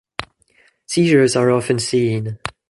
Seizures are often seen.